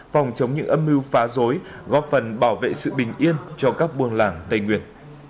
phòng chống những âm mưu phá rối góp phần bảo vệ sự bình yên cho các buôn làng tây nguyên